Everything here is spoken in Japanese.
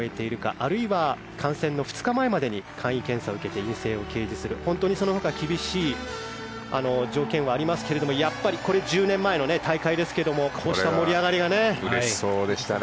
あるいは観戦の２日前までに簡易検査を受けて陰性を掲示する、本当にその他厳しい条件はありますがこれは１０年前の大会ですがこうした盛り上がりがね。嬉しそうでしたね。